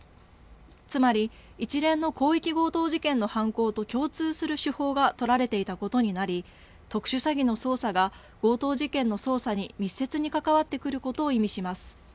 つまり一連の広域強盗事件の犯行と共通する手法が取られていたことになり特殊詐欺の捜査が強盗事件の捜査に密接に関わってくることを意味します。